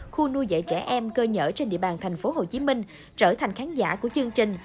khu nuôi dạy trẻ em cơ nhở trên địa bàn thành phố hồ chí minh trở thành khán giả của chương trình